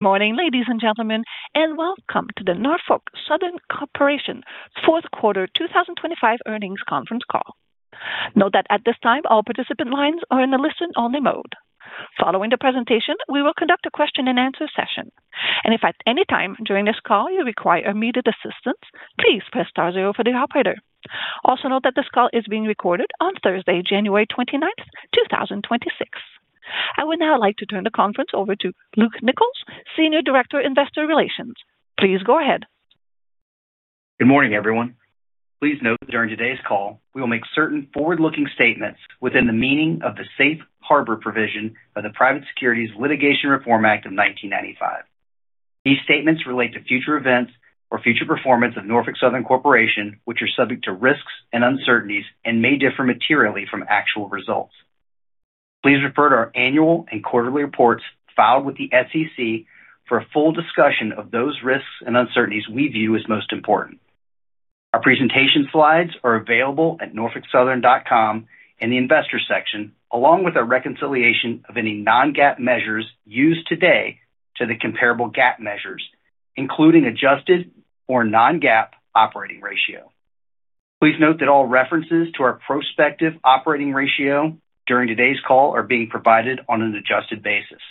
Good morning, ladies and gentlemen, and welcome to the Norfolk Southern Corporation Fourth Quarter 2025 Earnings Conference Call. Note that at this time, all participant lines are in the listen-only mode. Following the presentation, we will conduct a question-and-answer session. And if at any time during this call you require immediate assistance, please press star zero for the operator. Also note that this call is being recorded on Thursday, January 29th, 2026. I would now like to turn the conference over to Luke Nichols, Senior Director, Investor Relations. Please go ahead. Good morning, everyone. Please note that during today's call, we will make certain forward-looking statements within the meaning of the safe harbor provision of the Private Securities Litigation Reform Act of 1995. These statements relate to future events or future performance of Norfolk Southern Corporation, which are subject to risks and uncertainties and may differ materially from actual results. Please refer to our annual and quarterly reports filed with the SEC for a full discussion of those risks and uncertainties we view as most important. Our presentation slides are available at norfolksouthern.com in the investor section, along with a reconciliation of any non-GAAP measures used today to the comparable GAAP measures, including adjusted or non-GAAP operating ratio. Please note that all references to our prospective operating ratio during today's call are being provided on an adjusted basis.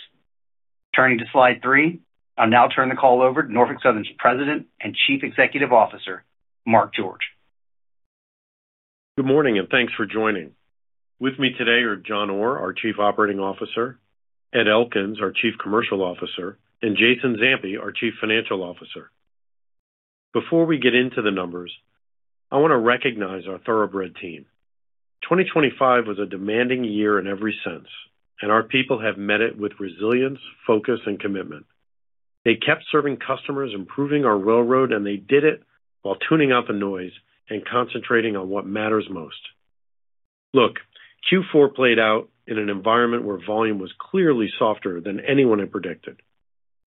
Turning to slide three, I'll now turn the call over to Norfolk Southern's President and Chief Executive Officer, Mark George. Good morning, and thanks for joining. With me today are John Orr, our Chief Operating Officer, Ed Elkins, our Chief Commercial Officer, and Jason Zampi, our Chief Financial Officer. Before we get into the numbers, I want to recognize our Thoroughbred Team. 2025 was a demanding year in every sense, and our people have met it with resilience, focus, and commitment. They kept serving customers, improving our railroad, and they did it while tuning out the noise and concentrating on what matters most. Look, Q4 played out in an environment where volume was clearly softer than anyone had predicted,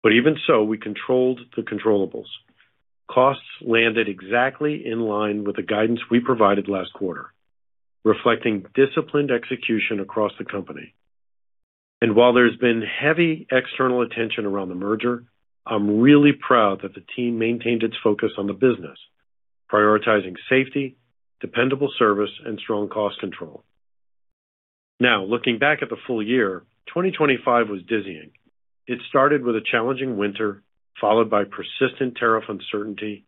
but even so, we controlled the controllables. Costs landed exactly in line with the guidance we provided last quarter, reflecting disciplined execution across the company. While there's been heavy external attention around the merger, I'm really proud that the team maintained its focus on the business, prioritizing safety, dependable service, and strong cost control. Now, looking back at the full year, 2025 was dizzying. It started with a challenging winter, followed by persistent tariff uncertainty,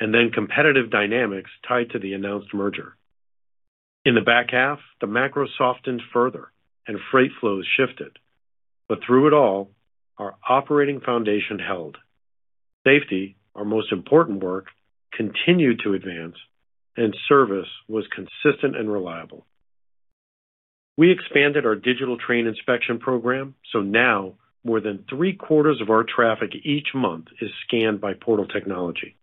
and then competitive dynamics tied to the announced merger. In the back half, the macro softened further and freight flows shifted, but through it all, our operating foundation held. Safety, our most important work, continued to advance, and service was consistent and reliable. We expanded our digital train inspection program, so now more than 3 quarters of our traffic each month is scanned by portal technology.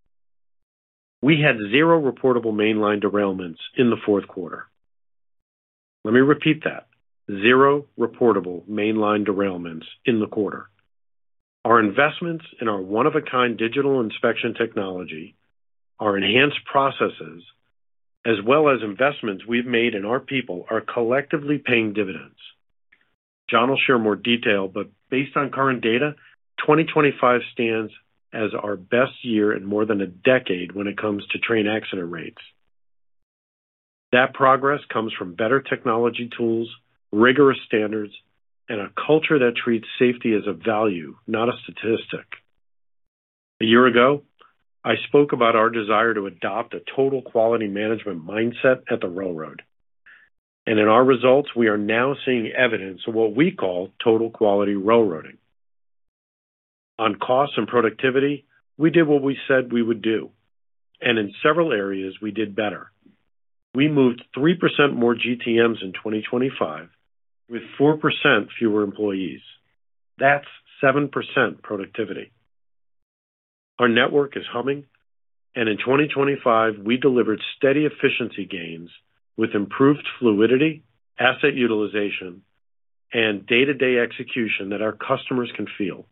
We had 0 reportable mainline derailments in the fourth quarter. Let me repeat that: 0 reportable mainline derailments in the quarter. Our investments in our one-of-a-kind digital inspection technology, our enhanced processes, as well as investments we've made in our people, are collectively paying dividends. John will share more detail, but based on current data, 2025 stands as our best year in more than a decade when it comes to train accident rates. That progress comes from better technology tools, rigorous standards, and a culture that treats safety as a value, not a statistic. A year ago, I spoke about our desire to adopt a total quality management mindset at the railroad, and in our results, we are now seeing evidence of what we call Total Quality Railroading. On cost and productivity, we did what we said we would do, and in several areas, we did better. We moved 3% more GTMs in 2025 with 4% fewer employees. That's 7% productivity. Our network is humming, and in 2025, we delivered steady efficiency gains with improved fluidity, asset utilization, and day-to-day execution that our customers can feel.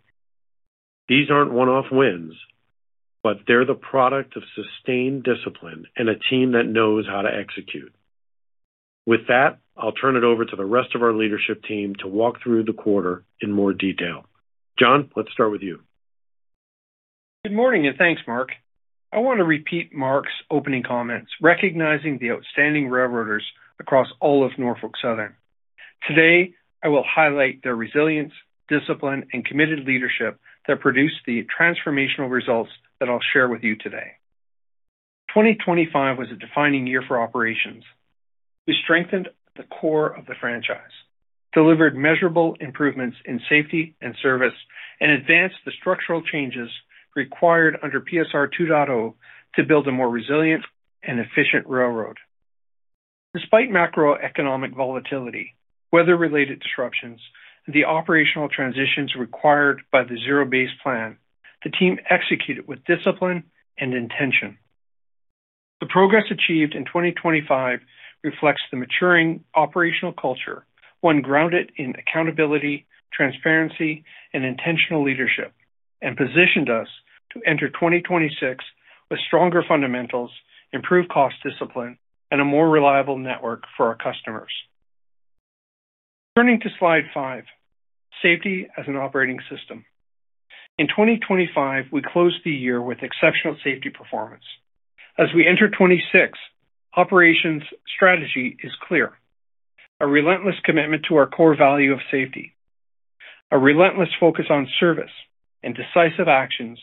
These aren't one-off wins, but they're the product of sustained discipline and a team that knows how to execute. With that, I'll turn it over to the rest of our leadership team to walk through the quarter in more detail. John, let's start with you. Good morning, and thanks, Mark. I want to repeat Mark's opening comments, recognizing the outstanding railroaders across all of Norfolk Southern. Today, I will highlight their resilience, discipline, and committed leadership that produced the transformational results that I'll share with you today. 2025 was a defining year for operations. We strengthened the core of the franchise, delivered measurable improvements in safety and service, and advanced the structural changes required under PSR 2.0 to build a more resilient and efficient railroad. Despite macroeconomic volatility, weather-related disruptions, and the operational transitions required by the zero-based plan, the team executed with discipline and intention. The progress achieved in 2025 reflects the maturing operational culture, one grounded in accountability, transparency, and intentional leadership, and positioned us to enter 2026 with stronger fundamentals, improved cost discipline, and a more reliable network for our customers. Turning to slide 5, safety as an operating system. In 2025, we closed the year with exceptional safety performance. As we enter 2026, operations strategy is clear: a relentless commitment to our core value of safety, a relentless focus on service, and decisive actions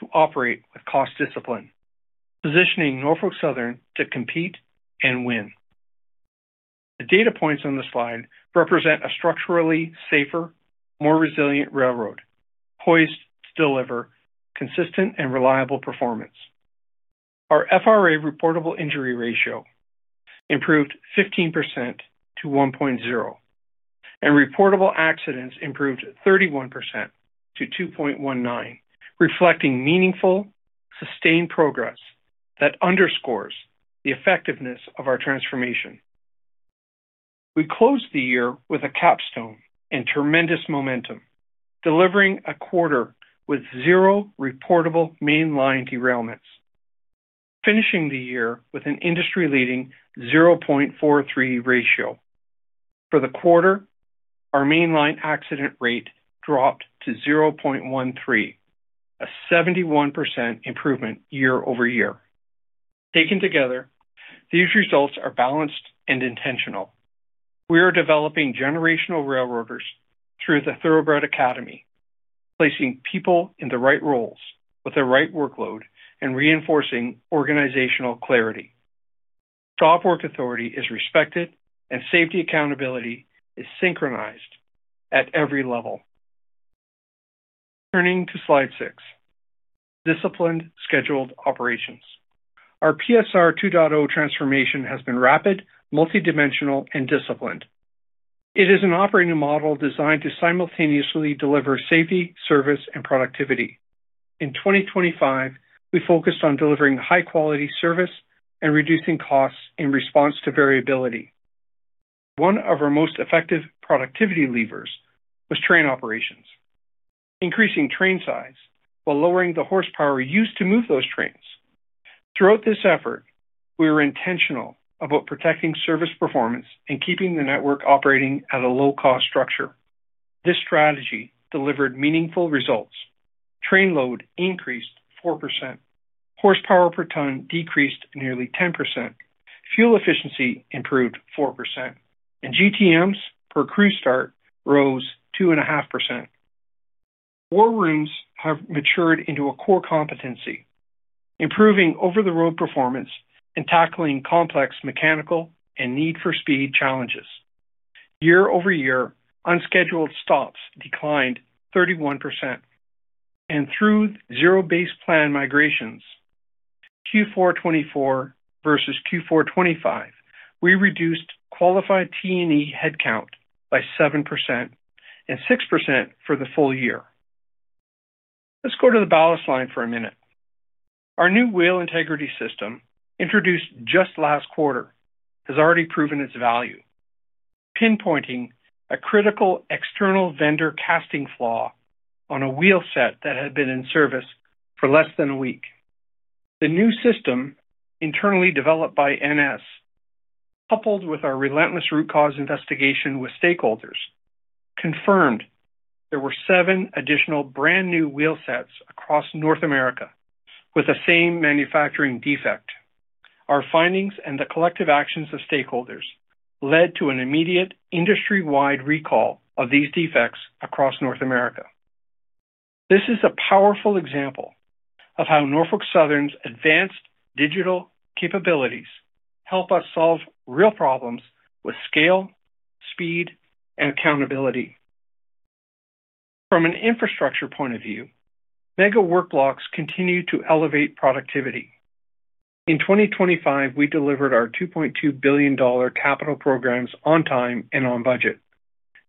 to operate with cost discipline, positioning Norfolk Southern to compete and win. The data points on the slide represent a structurally safer, more resilient railroad poised to deliver consistent and reliable performance. Our FRA reportable injury ratio improved 15% to 1.0, and reportable accidents improved 31% to 2.19, reflecting meaningful, sustained progress that underscores the effectiveness of our transformation. We closed the year with a capstone and tremendous momentum, delivering a quarter with 0 reportable mainline derailments, finishing the year with an industry-leading 0.43 ratio. For the quarter, our mainline accident rate dropped to 0.13, a 71% improvement year-over-year. Taken together, these results are balanced and intentional. We are developing generational railroaders through the Thoroughbred Academy, placing people in the right roles with the right workload, and reinforcing organizational clarity. Stop Work Authority is respected, and safety accountability is synchronized at every level. Turning to Slide 6, disciplined scheduled operations. Our PSR 2.0 transformation has been rapid, multidimensional, and disciplined. It is an operating model designed to simultaneously deliver safety, service, and productivity. In 2025, we focused on delivering high-quality service and reducing costs in response to variability. One of our most effective productivity levers was train operations, increasing train size while lowering the horsepower used to move those trains. Throughout this effort, we were intentional about protecting service performance and keeping the network operating at a low-cost structure. This strategy delivered meaningful results. Train load increased 4%, horsepower per ton decreased nearly 10%, fuel efficiency improved 4%, and GTMs per crew start rose 2.5%. war rooms have matured into a core competency, improving over-the-road performance and tackling complex mechanical and need-for-speed challenges. Year-over-year, unscheduled stops declined 31%, and through zero-based plan migrations, Q4 2024 versus Q4 2025, we reduced qualified T&E headcount by 7% and 6% for the full year. Let's go to the balance line for a minute. Our new Wheel Integrity System introduced just last quarter has already proven its value, pinpointing a critical external vendor casting flaw on a wheel set that had been in service for less than a week. The new system, internally developed by NS, coupled with our relentless root cause investigation with stakeholders, confirmed there were seven additional brand-new wheel sets across North America with the same manufacturing defect. Our findings and the collective actions of stakeholders led to an immediate industry-wide recall of these defects across North America. This is a powerful example of how Norfolk Southern's advanced digital capabilities help us solve real problems with scale, speed, and accountability. From an infrastructure point of view, mega work blocks continue to elevate productivity. In 2025, we delivered our $2.2 billion capital programs on time and on budget.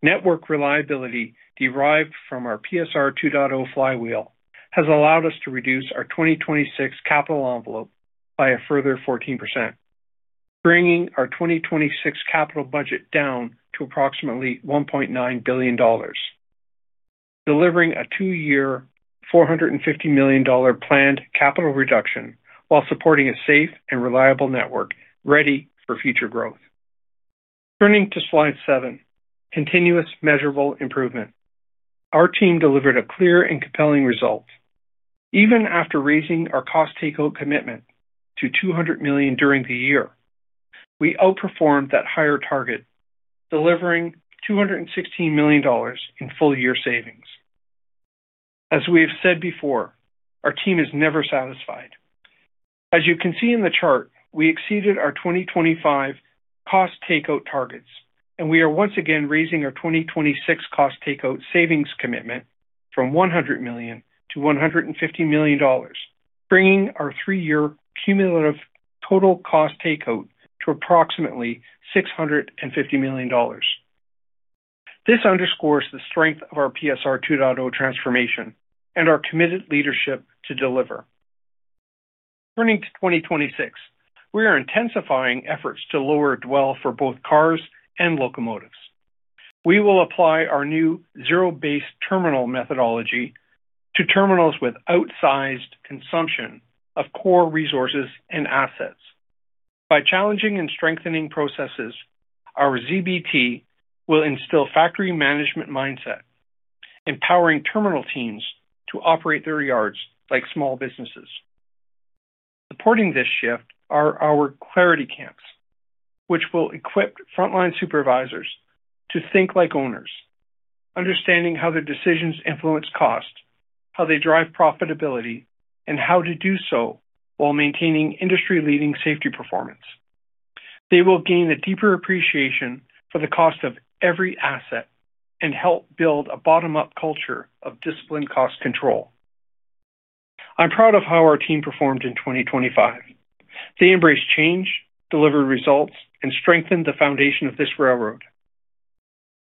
Network reliability derived from our PSR 2.0 flywheel has allowed us to reduce our 2026 capital envelope by a further 14%, bringing our 2026 capital budget down to approximately $1.9 billion, delivering a two-year $450 million planned capital reduction while supporting a safe and reliable network ready for future growth. Turning to slide seven, continuous measurable improvement. Our team delivered a clear and compelling result. Even after raising our cost takeout commitment to $200 million during the year, we outperformed that higher target, delivering $216 million in full-year savings. As we have said before, our team is never satisfied. As you can see in the chart, we exceeded our 2025 cost takeout targets, and we are once again raising our 2026 cost takeout savings commitment from $100 million to $150 million, bringing our three-year cumulative total cost takeout to approximately $650 million. This underscores the strength of our PSR 2.0 transformation and our committed leadership to deliver. Turning to 2026, we are intensifying efforts to lower dwell for both cars and locomotives. We will apply our new Zero-Based Terminal methodology to terminals with outsized consumption of core resources and assets. By challenging and strengthening processes, our ZBT will instill factory management mindset, empowering terminal teams to operate their yards like small businesses. Supporting this shift are our Clarity Camps, which will equip frontline supervisors to think like owners, understanding how their decisions influence cost, how they drive profitability, and how to do so while maintaining industry-leading safety performance. They will gain a deeper appreciation for the cost of every asset and help build a bottom-up culture of disciplined cost control. I'm proud of how our team performed in 2025. They embraced change, delivered results, and strengthened the foundation of this railroad.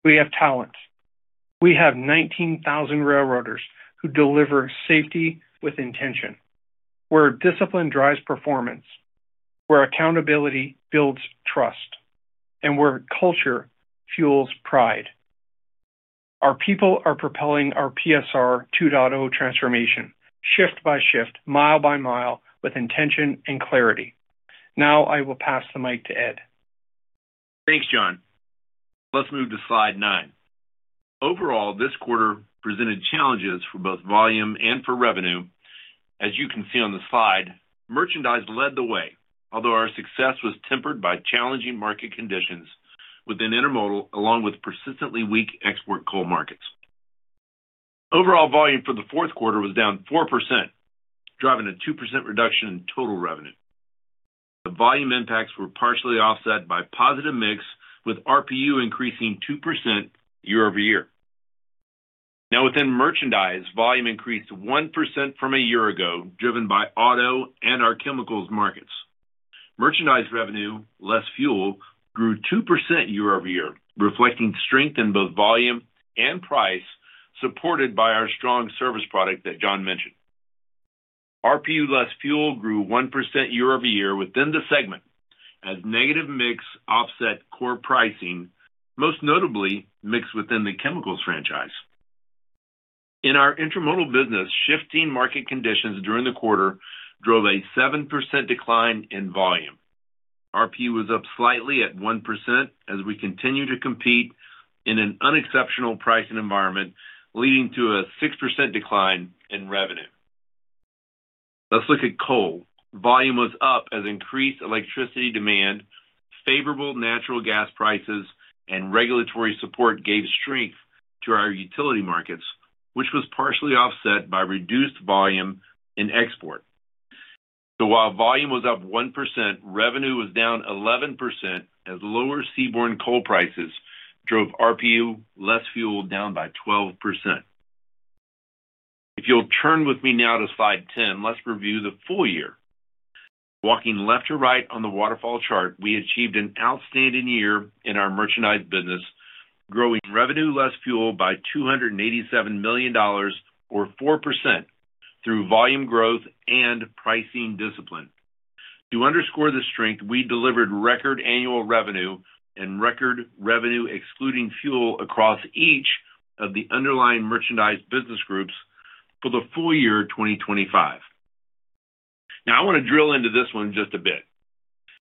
We have talent. We have 19,000 railroaders who deliver safety with intention. Where discipline drives performance, where accountability builds trust, and where culture fuels pride. Our people are propelling our PSR 2.0 transformation, shift by shift, mile by mile, with intention and clarity. Now I will pass the mic to Ed. Thanks, John. Let's move to slide 9. Overall, this quarter presented challenges for both volume and for revenue. As you can see on the slide, merchandise led the way, although our success was tempered by challenging market conditions within Intermodal along with persistently weak export coal markets. Overall volume for the fourth quarter was down 4%, driving a 2% reduction in total revenue. The volume impacts were partially offset by positive mix with RPU increasing 2% year-over-year. Now, within merchandise, volume increased 1% from a year ago, driven by auto and our chemicals markets. Merchandise revenue, less fuel, grew 2% year-over-year, reflecting strength in both volume and price, supported by our strong service product that John mentioned. RPU, less fuel, grew 1% year-over-year within the segment as negative mix offset core pricing, most notably mixed within the chemicals franchise. In our Intermodal business, shifting market conditions during the quarter drove a 7% decline in volume. RPU was up slightly at 1% as we continue to compete in an unexceptional pricing environment, leading to a 6% decline in revenue. Let's look at coal. Volume was up as increased electricity demand, favorable natural gas prices, and regulatory support gave strength to our utility markets, which was partially offset by reduced volume in export. So while volume was up 1%, revenue was down 11% as lower seaborne coal prices drove RPU, less fuel, down by 12%. If you'll turn with me now to slide 10, let's review the full year. Walking left to right on the waterfall chart, we achieved an outstanding year in our merchandise business, growing revenue, less fuel, by $287 million, or 4%, through volume growth and pricing discipline. To underscore the strength, we delivered record annual revenue and record revenue excluding fuel across each of the underlying merchandise business groups for the full year 2025. Now, I want to drill into this one just a bit.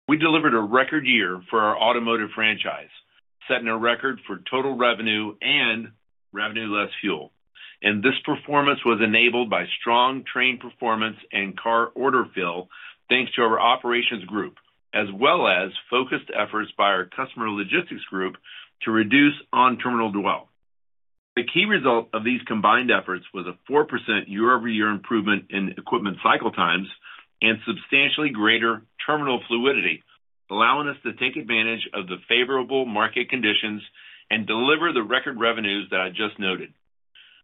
We delivered a record year for our automotive franchise, setting a record for total revenue and revenue, less fuel. This performance was enabled by strong train performance and car order fill, thanks to our Operations Group, as well as focused efforts by our Customer Logistics Group to reduce on-terminal dwell. The key result of these combined efforts was a 4% year-over-year improvement in equipment cycle times and substantially greater terminal fluidity, allowing us to take advantage of the favorable market conditions and deliver the record revenues that I just noted.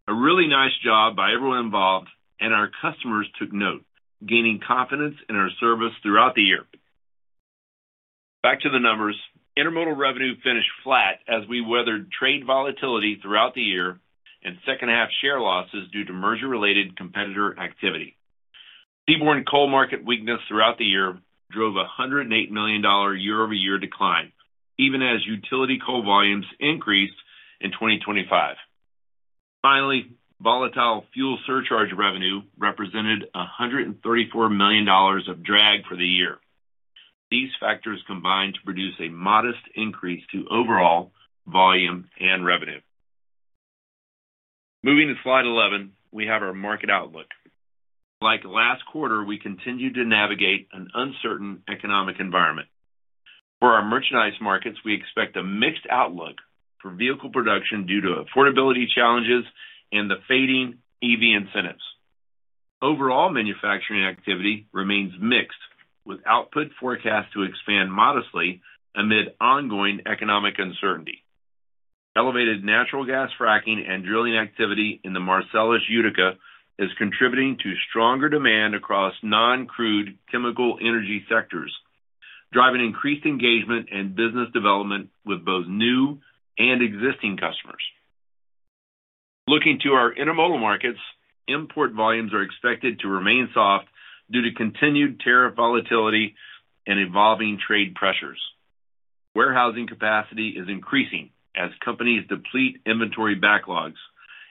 A really nice job by everyone involved, and our customers took note, gaining confidence in our service throughout the year. Back to the numbers, Intermodal revenue finished flat as we weathered trade volatility throughout the year and second-half share losses due to merger-related competitor activity. seaborne coal market weakness throughout the year drove a $108 million year-over-year decline, even as utility coal volumes increased in 2025. Finally, volatile fuel surcharge revenue represented $134 million of drag for the year. These factors combined to produce a modest increase to overall volume and revenue. Moving to slide 11, we have our market outlook. Like last quarter, we continue to navigate an uncertain economic environment. For our merchandise markets, we expect a mixed outlook for vehicle production due to affordability challenges and the fading EV incentives. Overall manufacturing activity remains mixed, with output forecasts to expand modestly amid ongoing economic uncertainty. Elevated natural gas fracking and drilling activity in the Marcellus/Utica is contributing to stronger demand across non-crude chemical energy sectors, driving increased engagement and business development with both new and existing customers. Looking to our Intermodal markets, import volumes are expected to remain soft due to continued tariff volatility and evolving trade pressures. Warehousing capacity is increasing as companies deplete inventory backlogs,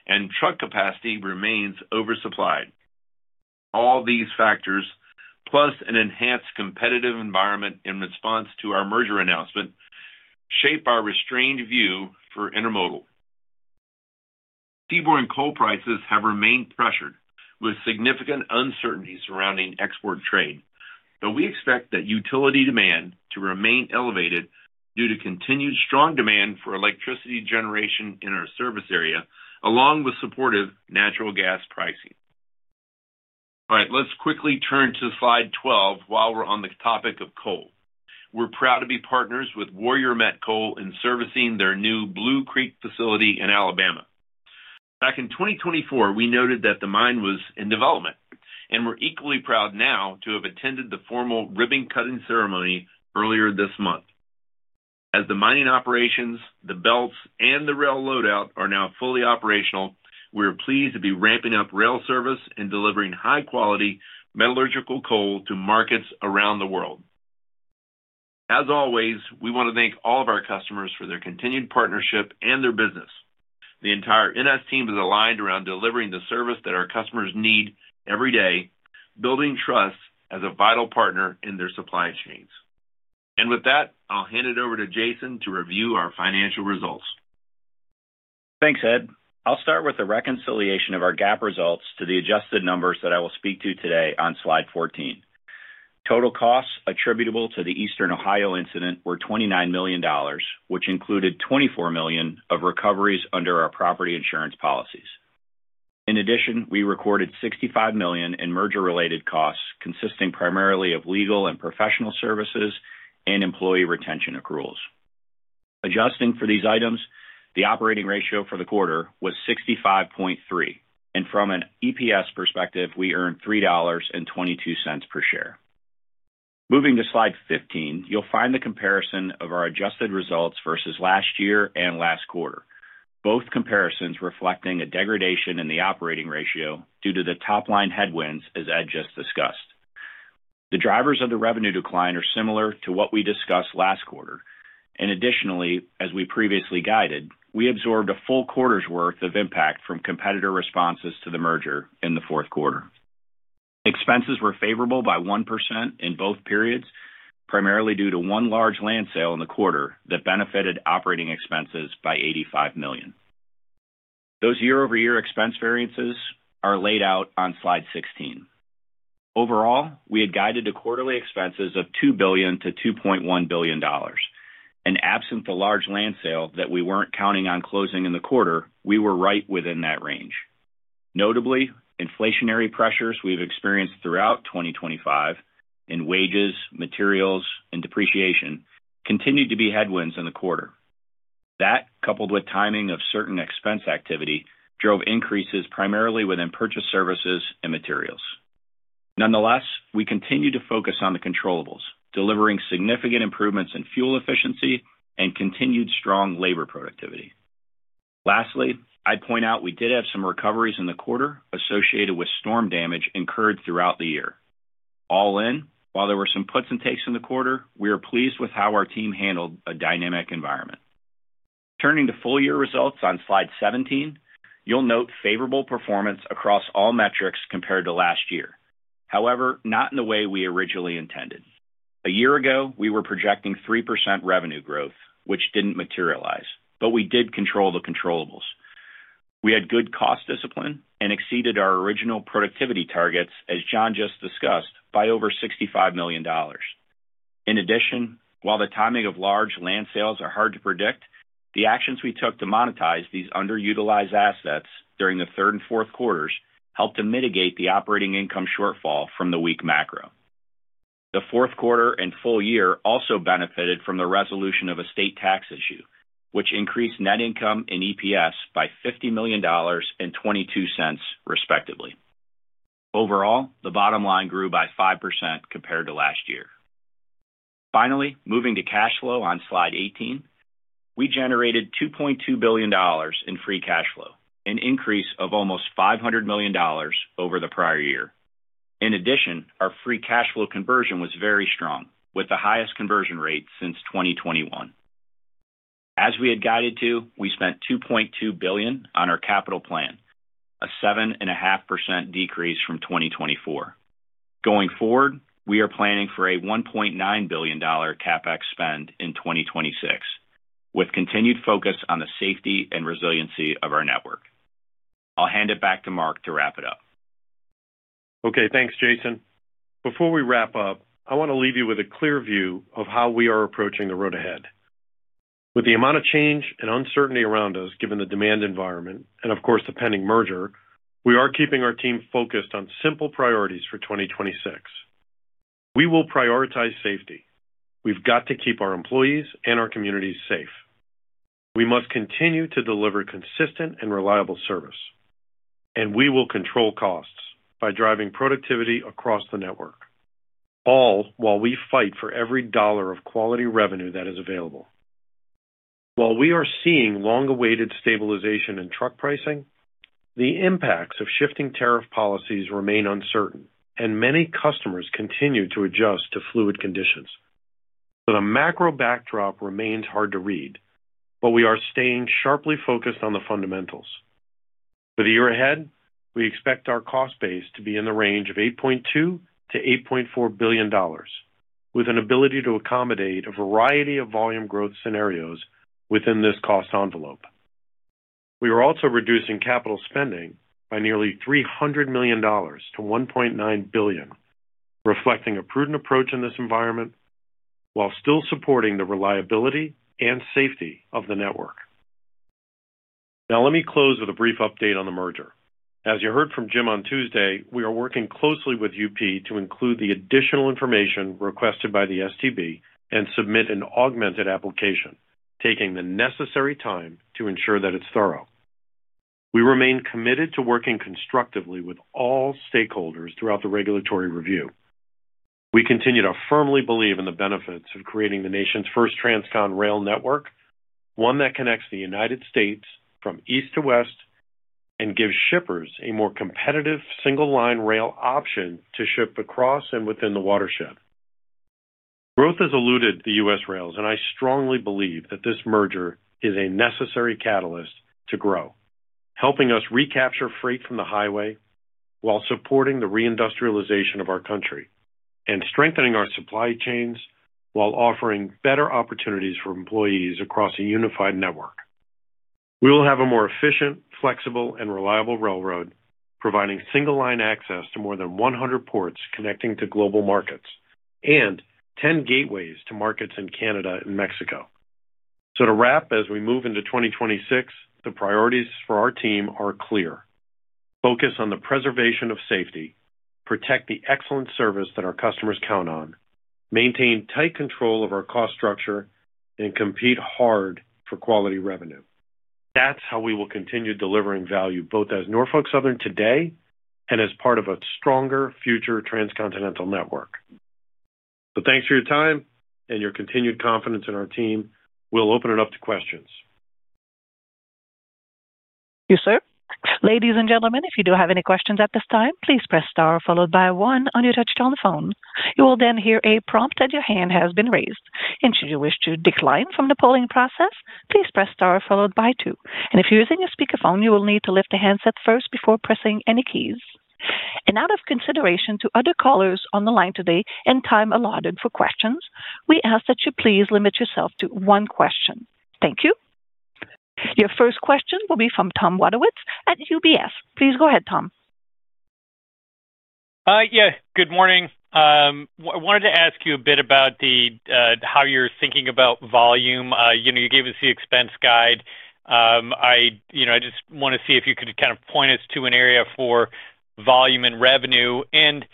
and truck capacity remains oversupplied. All these factors, plus an enhanced competitive environment in response to our merger announcement, shape our restrained view for Intermodal. seaborne coal prices have remained pressured with significant uncertainty surrounding export trade, but we expect that utility demand to remain elevated due to continued strong demand for electricity generation in our service area, along with supportive natural gas pricing. All right, let's quickly turn to slide 12 while we're on the topic of coal. We're proud to be partners with Warrior Met Coal in servicing their new Blue Creek facility in Alabama. Back in 2024, we noted that the mine was in development, and we're equally proud now to have attended the formal ribbon-cutting ceremony earlier this month. As the mining operations, the belts, and the rail loadout are now fully operational, we are pleased to be ramping up rail service and delivering high-quality metallurgical coal to markets around the world. As always, we want to thank all of our customers for their continued partnership and their business. The entire NS team is aligned around delivering the service that our customers need every day, building trust as a vital partner in their supply chains. With that, I'll hand it over to Jason to review our financial results. Thanks, Ed. I'll start with the reconciliation of our GAAP results to the adjusted numbers that I will speak to today on slide 14. Total costs attributable to the Eastern Ohio incident were $29 million, which included $24 million of recoveries under our property insurance policies. In addition, we recorded $65 million in merger-related costs consisting primarily of legal and professional services and employee retention accruals. Adjusting for these items, the operating ratio for the quarter was 65.3, and from an EPS perspective, we earned $3.22 per share. Moving to slide 15, you'll find the comparison of our adjusted results versus last year and last quarter, both comparisons reflecting a degradation in the operating ratio due to the top-line headwinds, as Ed just discussed. The drivers of the revenue decline are similar to what we discussed last quarter. Additionally, as we previously guided, we absorbed a full quarter's worth of impact from competitor responses to the merger in the fourth quarter. Expenses were favorable by 1% in both periods, primarily due to one large land sale in the quarter that benefited operating expenses by $85 million. Those year-over-year expense variances are laid out on slide 16. Overall, we had guided to quarterly expenses of $2 billion-$2.1 billion. Absent the large land sale that we weren't counting on closing in the quarter, we were right within that range. Notably, inflationary pressures we've experienced throughout 2025 in wages, materials, and depreciation continued to be headwinds in the quarter. That, coupled with timing of certain expense activity, drove increases primarily within purchase services and materials. Nonetheless, we continue to focus on the controllables, delivering significant improvements in fuel efficiency and continued strong labor productivity. Lastly, I'd point out we did have some recoveries in the quarter associated with storm damage incurred throughout the year. All in, while there were some puts and takes in the quarter, we are pleased with how our team handled a dynamic environment. Turning to full-year results on slide 17, you'll note favorable performance across all metrics compared to last year, however, not in the way we originally intended. A year ago, we were projecting 3% revenue growth, which didn't materialize, but we did control the controllables. We had good cost discipline and exceeded our original productivity targets, as John just discussed, by over $65 million. In addition, while the timing of large land sales is hard to predict, the actions we took to monetize these underutilized assets during the third and fourth quarters helped to mitigate the operating income shortfall from the weak macro. The fourth quarter and full year also benefited from the resolution of a state tax issue, which increased net income and EPS by $50 million and 22 cents, respectively. Overall, the bottom line grew by 5% compared to last year. Finally, moving to cash flow on slide 18, we generated $2.2 billion in free cash flow, an increase of almost $500 million over the prior year. In addition, our free cash flow conversion was very strong, with the highest conversion rate since 2021. As we had guided to, we spent $2.2 billion on our capital plan, a 7.5% decrease from 2024. Going forward, we are planning for a $1.9 billion CapEx spend in 2026, with continued focus on the safety and resiliency of our network. I'll hand it back to Mark to wrap it up. Okay, thanks, Jason. Before we wrap up, I want to leave you with a clear view of how we are approaching the road ahead. With the amount of change and uncertainty around us, given the demand environment, and of course, the pending merger, we are keeping our team focused on simple priorities for 2026. We will prioritize safety. We've got to keep our employees and our communities safe. We must continue to deliver consistent and reliable service. And we will control costs by driving productivity across the network, all while we fight for every dollar of quality revenue that is available. While we are seeing long-awaited stabilization in truck pricing, the impacts of shifting tariff policies remain uncertain, and many customers continue to adjust to fluid conditions. So the macro backdrop remains hard to read, but we are staying sharply focused on the fundamentals. For the year ahead, we expect our cost base to be in the range of $8.2-$8.4 billion, with an ability to accommodate a variety of volume growth scenarios within this cost envelope. We are also reducing capital spending by nearly $300 million to $1.9 billion, reflecting a prudent approach in this environment while still supporting the reliability and safety of the network. Now, let me close with a brief update on the merger. As you heard from Jim on Tuesday, we are working closely with UP to include the additional information requested by the STB and submit an augmented application, taking the necessary time to ensure that it's thorough. We remain committed to working constructively with all stakeholders throughout the regulatory review. We continue to firmly believe in the benefits of creating the nation's first transcontinental rail network, one that connects the United States from east to west and gives shippers a more competitive single-line rail option to ship across and within the watershed. Growth has eluded the U.S. rails, and I strongly believe that this merger is a necessary catalyst to grow, helping us recapture freight from the highway while supporting the reindustrialization of our country and strengthening our supply chains while offering better opportunities for employees across a unified network. We will have a more efficient, flexible, and reliable railroad, providing single-line access to more than 100 ports connecting to global markets and 10 gateways to markets in Canada and Mexico. So to wrap, as we move into 2026, the priorities for our team are clear: focus on the preservation of safety, protect the excellent service that our customers count on, maintain tight control of our cost structure, and compete hard for quality revenue. That's how we will continue delivering value, both as Norfolk Southern today and as part of a stronger future transcontinental network. So thanks for your time and your continued confidence in our team. We'll open it up to questions. Thank you, sir. Ladies and gentlemen, if you do have any questions at this time, please press star followed by one on your touchtone phone. You will then hear a prompt that your hand has been raised. Should you wish to decline from the polling process, please press star followed by two. If you're using a speakerphone, you will need to lift the handset first before pressing any keys. Out of consideration to other callers on the line today and time allotted for questions, we ask that you please limit yourself to one question. Thank you. Your first question will be from Tom Wadowitz at UBS. Please go ahead, Tom. Yeah, good morning. I wanted to ask you a bit about how you're thinking about volume. You gave us the expense guide. I just want to see if you could kind of point us to an area for volume and revenue. And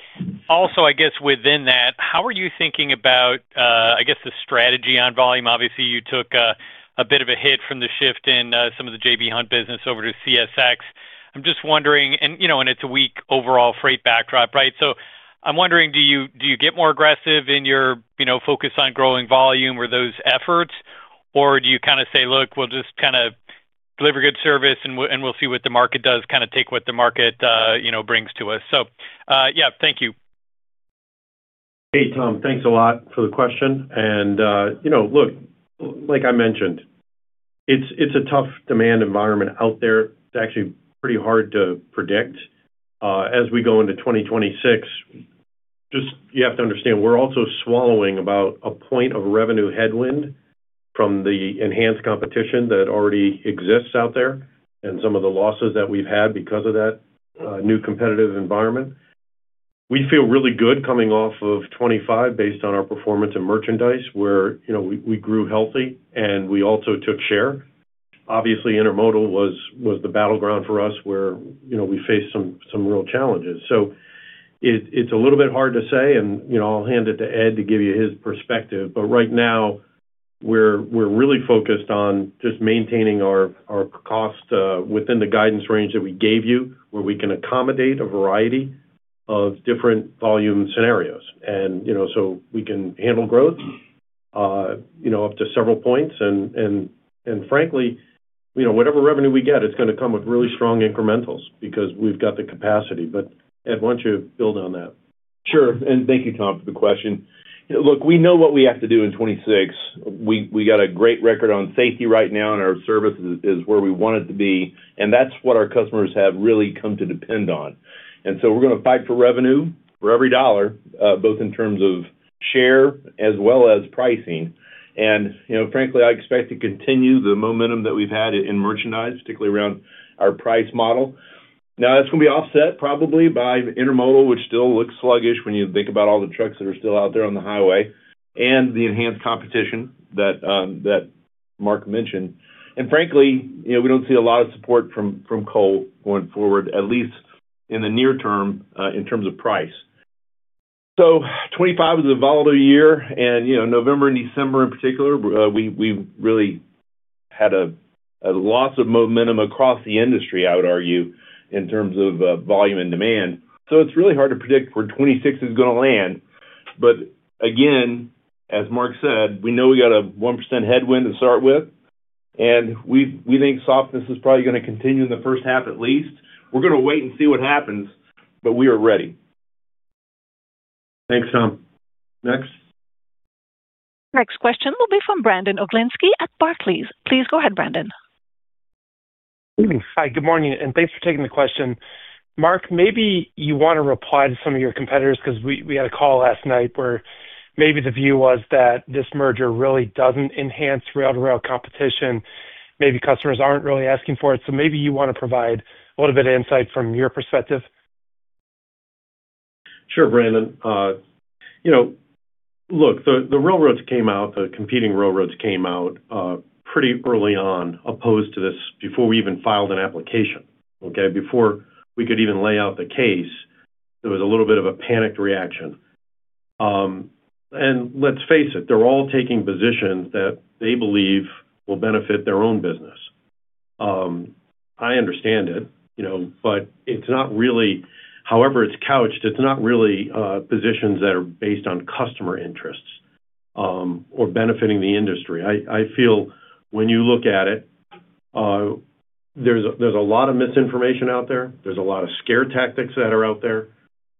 also, I guess within that, how are you thinking about, I guess, the strategy on volume? Obviously, you took a bit of a hit from the shift in some of the J.B. Hunt business over to CSX. I'm just wondering, and it's a weak overall freight backdrop, right? So I'm wondering, do you get more aggressive in your focus on growing volume or those efforts, or do you kind of say, "Look, we'll just kind of deliver good service and we'll see what the market does, kind of take what the market brings to us"? So yeah, thank you. Hey, Tom, thanks a lot for the question. And look, like I mentioned, it's a tough demand environment out there. It's actually pretty hard to predict. As we go into 2026, just you have to understand we're also swallowing about a point of revenue headwind from the enhanced competition that already exists out there and some of the losses that we've had because of that new competitive environment. We feel really good coming off of 2025 based on our performance and merchandise where we grew healthy and we also took share. Obviously, Intermodal was the battleground for us where we faced some real challenges. So it's a little bit hard to say, and I'll hand it to Ed to give you his perspective. But right now, we're really focused on just maintaining our cost within the guidance range that we gave you where we can accommodate a variety of different volume scenarios. And so we can handle growth up to several points. And frankly, whatever revenue we get, it's going to come with really strong incrementals because we've got the capacity. But Ed, why don't you build on that? Sure. And thank you, Tom, for the question. Look, we know what we have to do in 2026. We got a great record on safety right now, and our service is where we want it to be. And that's what our customers have really come to depend on. And so we're going to fight for revenue for every dollar, both in terms of share as well as pricing. Frankly, I expect to continue the momentum that we've had in merchandise, particularly around our price model. Now, that's going to be offset probably by Intermodal, which still looks sluggish when you think about all the trucks that are still out there on the highway and the enhanced competition that Mark mentioned. Frankly, we don't see a lot of support from coal going forward, at least in the near term in terms of price. 2025 is a volatile year. November and December in particular, we really had a loss of momentum across the industry, I would argue, in terms of volume and demand. It's really hard to predict where 2026 is going to land. Again, as Mark said, we know we got a 1% headwind to start with, and we think softness is probably going to continue in the first half at least. We're going to wait and see what happens, but we are ready. Thanks, Tom. Next. Next question will be from Brandon Oglenski at Barclays. Please go ahead, Brandon. Hi, good morning. Thanks for taking the question. Mark, maybe you want to reply to some of your competitors because we had a call last night where maybe the view was that this merger really doesn't enhance rail-to-rail competition. Maybe customers aren't really asking for it. Maybe you want to provide a little bit of insight from your perspective. Sure, Brandon. Look, the railroads came out, the competing railroads came out pretty early on opposed to this before we even filed an application, okay? Before we could even lay out the case, there was a little bit of a panicked reaction. Let's face it, they're all taking positions that they believe will benefit their own business. I understand it, but it's not really however it's couched, it's not really positions that are based on customer interests or benefiting the industry. I feel when you look at it, there's a lot of misinformation out there. There's a lot of scare tactics that are out there,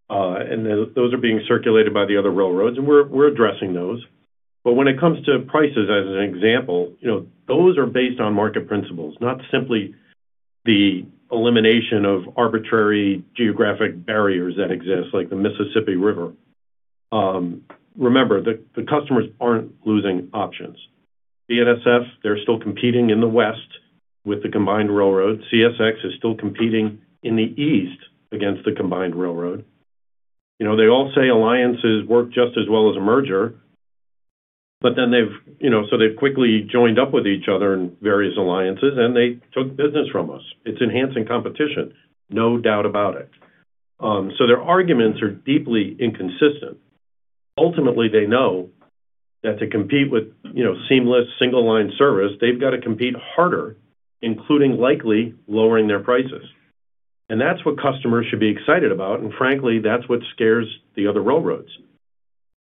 and those are being circulated by the other railroads. We're addressing those. But when it comes to prices, as an example, those are based on market principles, not simply the elimination of arbitrary geographic barriers that exist, like the Mississippi River. Remember, the customers aren't losing options. BNSF, they're still competing in the west with the combined railroad. CSX is still competing in the east against the combined railroad. They all say alliances work just as well as a merger, but then, so they've quickly joined up with each other in various alliances, and they took business from us. It's enhancing competition, no doubt about it. So their arguments are deeply inconsistent. Ultimately, they know that to compete with seamless single-line service, they've got to compete harder, including likely lowering their prices. And that's what customers should be excited about. And frankly, that's what scares the other railroads.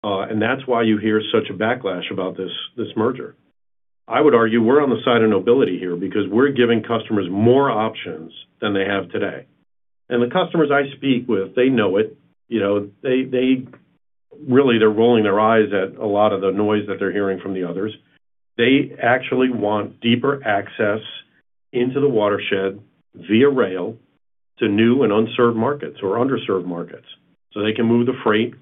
And that's why you hear such a backlash about this merger. I would argue we're on the side of nobility here because we're giving customers more options than they have today. And the customers I speak with, they know it. Really, they're rolling their eyes at a lot of the noise that they're hearing from the others. They actually want deeper access into the watershed via rail to new and unserved markets or underserved markets so they can move the freight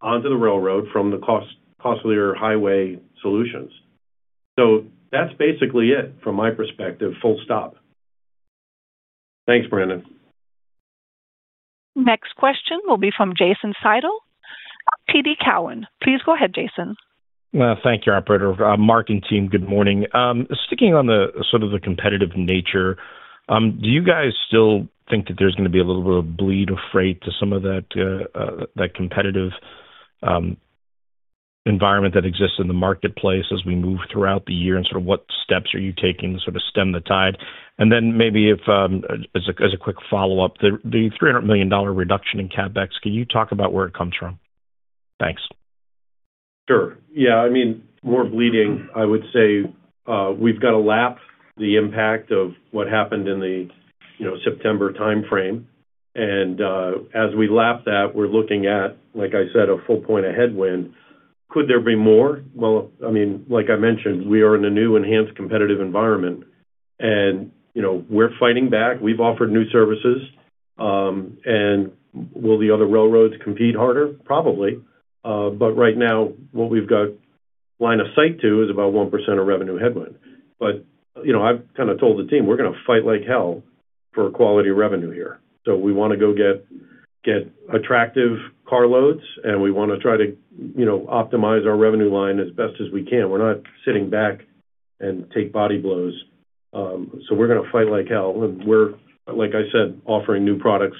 onto the railroad from the costlier highway solutions. So that's basically it from my perspective. Full stop. Thanks, Brandon. Next question will be from Jason Seidl, TD Cowen. Please go ahead, Jason. Thank you, Operator. Mark and team, good morning. Sticking on sort of the competitive nature, do you guys still think that there's going to be a little bit of bleed of freight to some of that competitive environment that exists in the marketplace as we move throughout the year? And sort of what steps are you taking to sort of stem the tide? And then maybe as a quick follow-up, the $300 million reduction in CapEx, can you talk about where it comes from? Thanks. Sure. Yeah. I mean, more bleeding, I would say we've got to lap the impact of what happened in the September timeframe. And as we lap that, we're looking at, like I said, a full point of headwind. Could there be more? Well, I mean, like I mentioned, we are in a new enhanced competitive environment, and we're fighting back. We've offered new services. And will the other railroads compete harder? Probably. But right now, what we've got line of sight to is about 1% of revenue headwind. But I've kind of told the team, we're going to fight like hell for quality revenue here. So we want to go get attractive car loads, and we want to try to optimize our revenue line as best as we can. We're not sitting back and take body blows. So we're going to fight like hell. We're, like I said, offering new products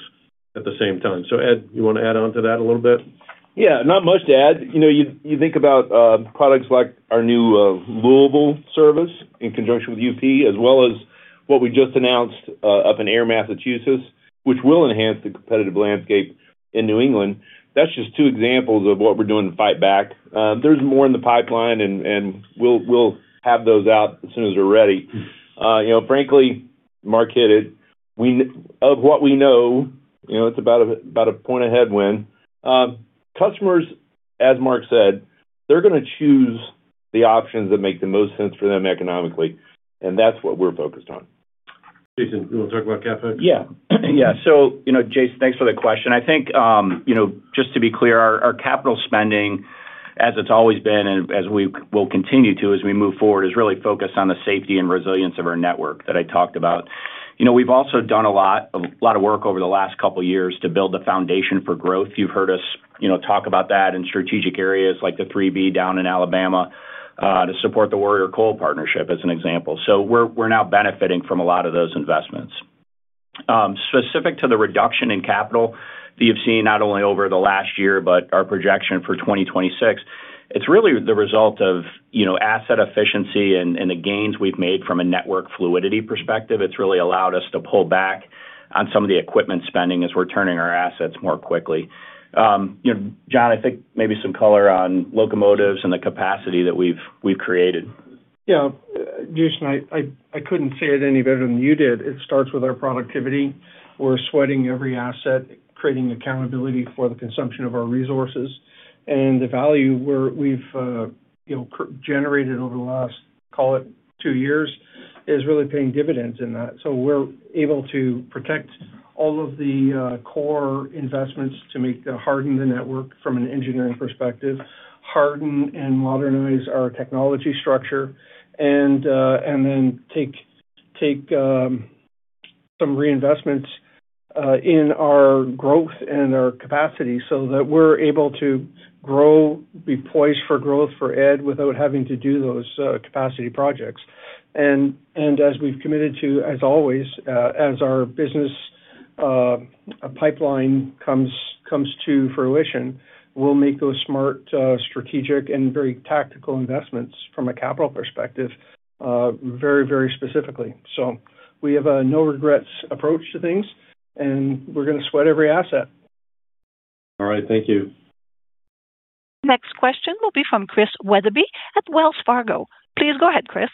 at the same time. So Ed, you want to add on to that a little bit? Yeah. Not much to add. You think about products like our new Louisville service in conjunction with UP, as well as what we just announced up in Ayer, Massachusetts, which will enhance the competitive landscape in New England. That's just two examples of what we're doing to fight back. There's more in the pipeline, and we'll have those out as soon as they're ready. Frankly, Mark hit it. Of what we know, it's about a point of headwind. Customers, as Mark said, they're going to choose the options that make the most sense for them economically. And that's what we're focused on. Jason, you want to talk about CapEx? Yeah. Yeah. So Jason, thanks for the question. I think just to be clear, our capital spending, as it's always been and as we will continue to as we move forward, is really focused on the safety and resilience of our network that I talked about. We've also done a lot of work over the last couple of years to build the foundation for growth. You've heard us talk about that in strategic areas like the 3B down in Alabama to support the Warrior Met Coal partnership, as an example. So we're now benefiting from a lot of those investments. Specific to the reduction in capital that you've seen not only over the last year, but our projection for 2026, it's really the result of asset efficiency and the gains we've made from a network fluidity perspective. It's really allowed us to pull back on some of the equipment spending as we're turning our assets more quickly. John, I think maybe some color on locomotives and the capacity that we've created. Yeah. Jason, I couldn't say it any better than you did. It starts with our productivity. We're sweating every asset, creating accountability for the consumption of our resources. And the value we've generated over the last, call it, two years is really paying dividends in that. So we're able to protect all of the core investments to harden the network from an engineering perspective, harden and modernize our technology structure, and then take some reinvestments in our growth and our capacity so that we're able to grow, be poised for growth for Ed without having to do those capacity projects. And as we've committed to, as always, as our business pipeline comes to fruition, we'll make those smart, strategic, and very tactical investments from a capital perspective very, very specifically. So we have a no-regrets approach to things, and we're going to sweat every asset. All right. Thank you. Next question will be from Chris Wetherbee at Wells Fargo. Please go ahead, Chris.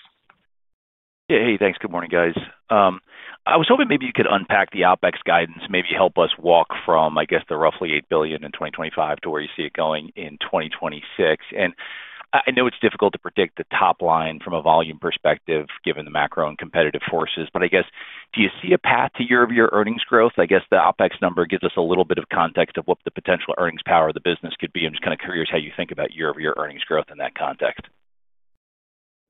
Hey, thanks. Good morning, guys. I was hoping maybe you could unpack the OpEx guidance, maybe help us walk from, I guess, the roughly $8 billion in 2025 to where you see it going in 2026. I know it's difficult to predict the top line from a volume perspective given the macro and competitive forces, but I guess, do you see a path to year-over-year earnings growth? I guess the OpEx number gives us a little bit of context of what the potential earnings power of the business could be. I'm just kind of curious how you think about year-over-year earnings growth in that context.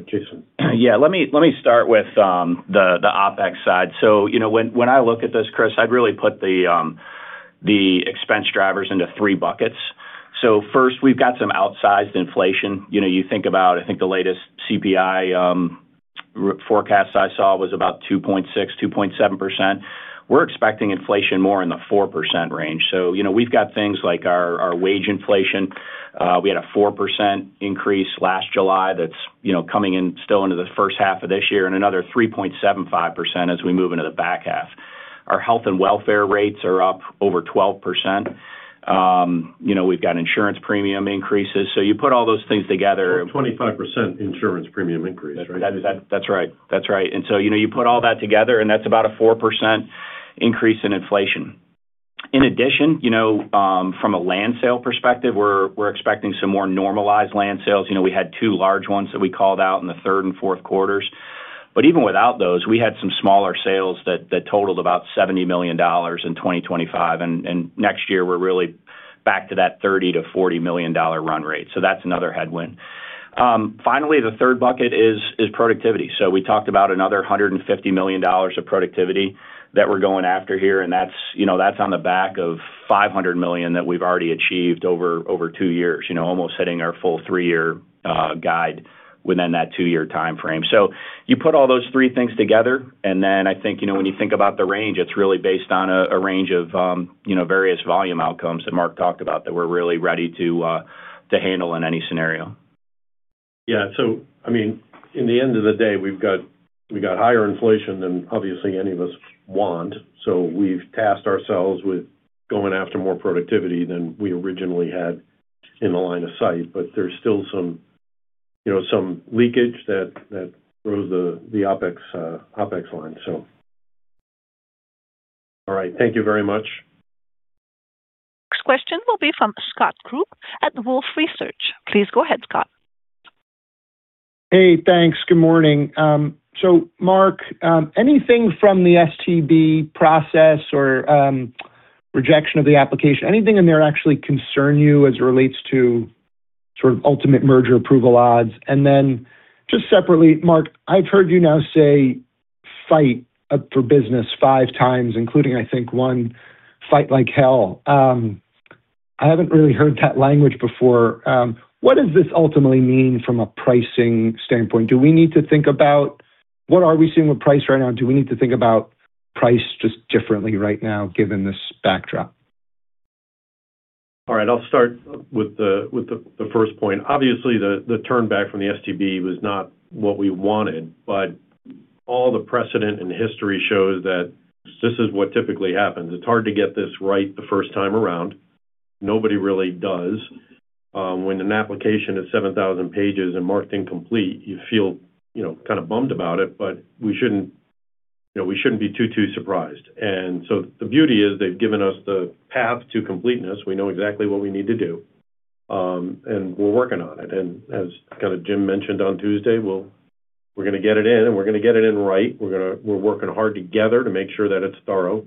Jason. Yeah. Let me start with the OpEx side. So when I look at this, Chris, I'd really put the expense drivers into three buckets. So first, we've got some outsized inflation. You think about, I think the latest CPI forecast I saw was about 2.6%-2.7%. We're expecting inflation more in the 4% range. So we've got things like our wage inflation. We had a 4% increase last July that's coming in still into the first half of this year and another 3.75% as we move into the back half. Our health and welfare rates are up over 12%. We've got insurance premium increases. So you put all those things together. 25% insurance premium increase, right? That's right. That's right. And so you put all that together, and that's about a 4% increase in inflation. In addition, from a land sale perspective, we're expecting some more normalized land sales. We had two large ones that we called out in the third and fourth quarters. But even without those, we had some smaller sales that totaled about $70 million in 2025. And next year, we're really back to that $30-$40 million run rate. So that's another headwind. Finally, the third bucket is productivity. So we talked about another $150 million of productivity that we're going after here. And that's on the back of $500 million that we've already achieved over two years, almost hitting our full three-year guide within that two-year timeframe. So you put all those three things together, and then I think when you think about the range, it's really based on a range of various volume outcomes that Mark talked about that we're really ready to handle in any scenario. Yeah. So I mean, at the end of the day, we've got higher inflation than obviously any of us want. So we've tasked ourselves with going after more productivity than we originally had in the line of sight. But there's still some leakage that grows the OpEx line, so. All right. Thank you very much. Next question will be from Scott Group at Wolfe Research. Please go ahead, Scott. Hey, thanks. Good morning. So Mark, anything from the STB process or rejection of the application, anything in there actually concern you as it relates to sort of ultimate merger approval odds? And then just separately, Mark, I've heard you now say fight for business five times, including, I think, one fight like hell. I haven't really heard that language before. What does this ultimately mean from a pricing standpoint? Do we need to think about what are we seeing with price right now? Do we need to think about price just differently right now given this backdrop? All right. I'll start with the first point. Obviously, the turnback from the STB was not what we wanted, but all the precedent and history shows that this is what typically happens. It's hard to get this right the first time around. Nobody really does. When an application is 7,000 pages and marked incomplete, you feel kind of bummed about it, but we shouldn't be too, too surprised. And so the beauty is they've given us the path to completeness. We know exactly what we need to do, and we're working on it. And as kind of Jim mentioned on Tuesday, we're going to get it in, and we're going to get it in right. We're working hard together to make sure that it's thorough.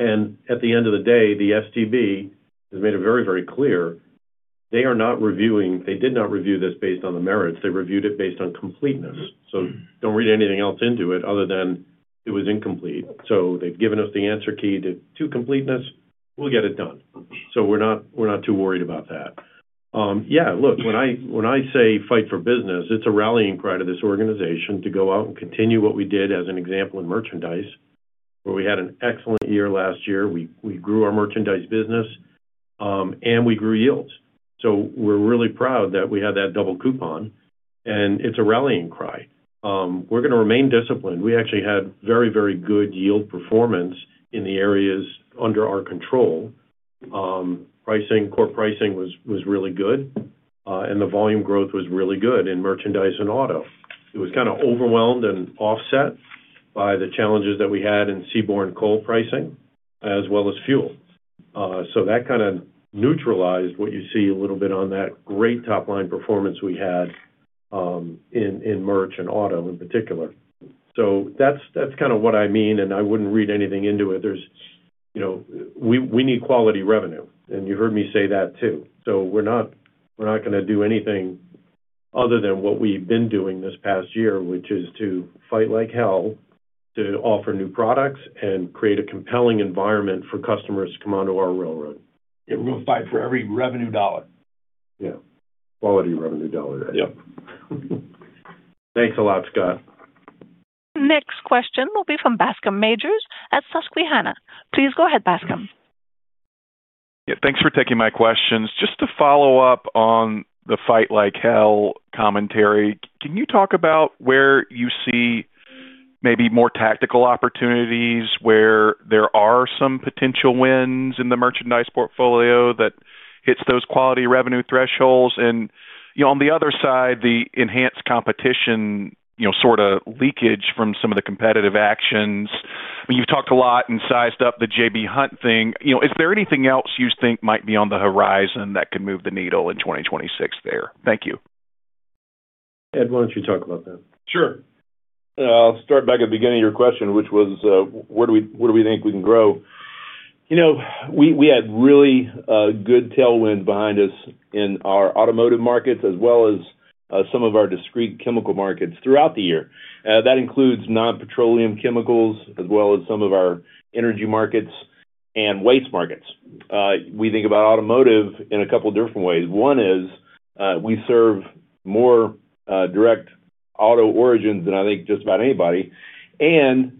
And at the end of the day, the STB has made it very, very clear. They are not reviewing, they did not review this based on the merits. They reviewed it based on completeness. So don't read anything else into it other than it was incomplete. So they've given us the answer key to completeness. We'll get it done. So we're not too worried about that. Yeah. Look, when I say fight for business, it's a rallying cry to this organization to go out and continue what we did as an example in merchandise, where we had an excellent year last year. We grew our merchandise business, and we grew yields. So we're really proud that we had that double coupon. And it's a rallying cry. We're going to remain disciplined. We actually had very, very good yield performance in the areas under our control. Core pricing was really good, and the volume growth was really good in merchandise and auto. It was kind of overwhelmed and offset by the challenges that we had in seaborne coal pricing as well as fuel. So that kind of neutralized what you see a little bit on that great top line performance we had in merch and auto in particular. So that's kind of what I mean, and I wouldn't read anything into it. We need quality revenue, and you heard me say that too. So we're not going to do anything other than what we've been doing this past year, which is to fight like hell to offer new products and create a compelling environment for customers to come onto our railroad. Yeah. We're going to fight for every revenue dollar. Yeah. Quality revenue dollar, right? Yep. Thanks a lot, Scott. Next question will be from Bascome Majors at Susquehanna. Please go ahead, Bascome. Yeah. Thanks for taking my questions. Just to follow up on the fight like hell commentary, can you talk about where you see maybe more tactical opportunities where there are some potential wins in the merchandise portfolio that hits those quality revenue thresholds? And on the other side, the enhanced competition sort of leakage from some of the competitive actions. I mean, you've talked a lot and sized up the J.B. Hunt thing. Is there anything else you think might be on the horizon that could move the needle in 2026 there? Thank you. Ed, why don't you talk about that? Sure. I'll start back at the beginning of your question, which was, where do we think we can grow? We had really good tailwind behind us in our automotive markets as well as some of our discrete chemical markets throughout the year. That includes non-petroleum chemicals as well as some of our energy markets and waste markets. We think about automotive in a couple of different ways. One is we serve more direct auto origins than I think just about anybody. And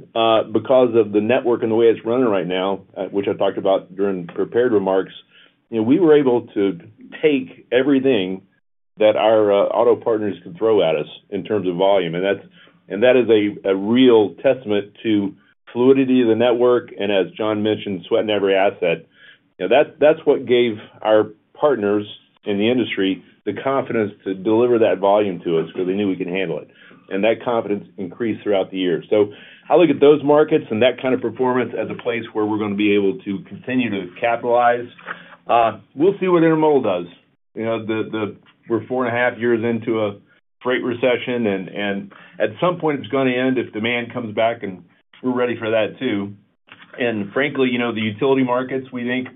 because of the network and the way it's running right now, which I talked about during prepared remarks, we were able to take everything that our auto partners can throw at us in terms of volume. And that is a real testament to fluidity of the network. And as John mentioned, sweating every asset. That's what gave our partners in the industry the confidence to deliver that volume to us because they knew we could handle it. And that confidence increased throughout the year. So I look at those markets and that kind of performance as a place where we're going to be able to continue to capitalize. We'll see what intermodal does. We're four and a half years into a freight recession, and at some point, it's going to end if demand comes back, and we're ready for that too. And frankly, the utility markets, we think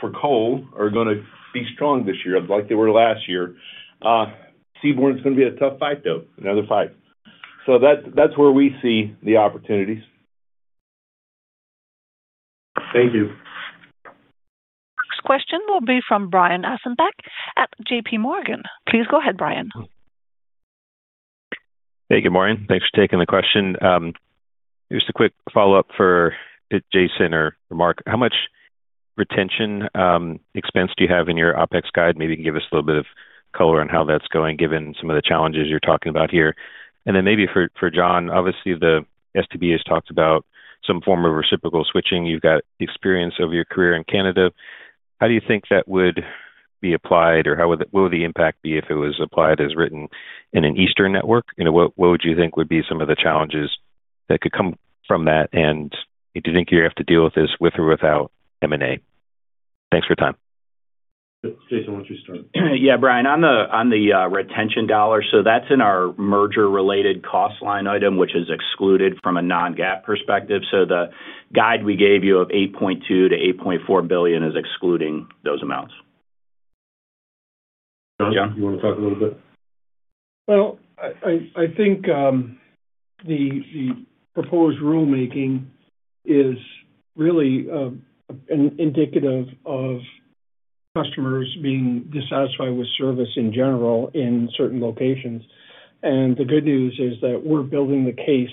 for coal, are going to be strong this year, like they were last year. seaborne is going to be a tough fight though, another fight. So that's where we see the opportunities. Thank you. Next question will be from Brian Ossenbeck at J.P. Morgan. Please go ahead, Brian. Hey, good morning. Thanks for taking the question. Just a quick follow-up for Jason or Mark. How much retention expense do you have in your OPEX guide? Maybe you can give us a little bit of color on how that's going given some of the challenges you're talking about here. And then maybe for John, obviously, the STB has talked about some form of reciprocal switching. You've got the experience of your career in Canada. How do you think that would be applied, or what would the impact be if it was applied as written in an Eastern network? What would you think would be some of the challenges that could come from that? And do you think you have to deal with this with or without M&A? Thanks for your time. Jason, why don't you start? Yeah, Brian. On the retention dollar, so that's in our merger-related cost line item, which is excluded from a non-GAAP perspective. So the guide we gave you of $8.2 billion-$8.4 billion is excluding those amounts. John, do you want to talk a little bit? Well, I think the proposed rulemaking is really indicative of customers being dissatisfied with service in general in certain locations. The good news is that we're building the case